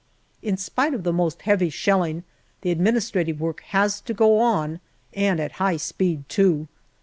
In spite of the most heavy shelh'ng, the administrative work has to go on, and at high speed too.